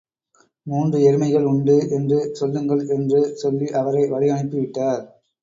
மூன்று எருமைகள் உண்டு என்று சொல்லுங்கள் என்று சொல்லி அவரை வழியனுப்பி விட்டார்.